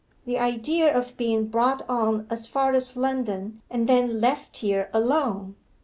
The idea of being brought on as far as London and then left here alone!